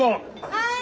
はい！